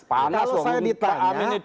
kalau saya ditanya